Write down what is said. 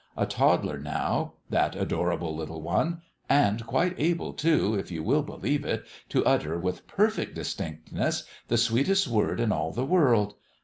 A toddler, now that adorable Little One I And quite able, too, if you will believe it, to utter, with perfect distinctness, the sweetest word in all the world.